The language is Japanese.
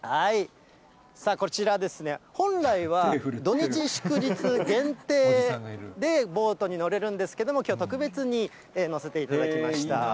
こちらですね、本来は土日祝日限定で、ボートに乗れるんですけれども、きょうは特別に乗せていただきました。